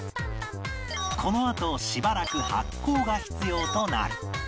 このあとしばらく発酵が必要となる